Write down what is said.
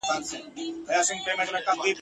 پر شنه ګودر په سره پېزوان کي زنګېدلی نه یم !.